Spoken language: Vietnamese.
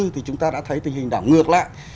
thì chúng ta đã thấy tình hình đảo ngược lại